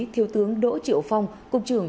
thiếu tướng đỗ triệu phong cục trưởng